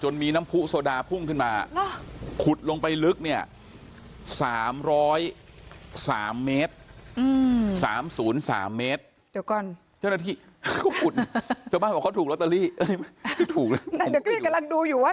แล้วเดี๋ยวกดลินกำลังดูอยู่ว่ะ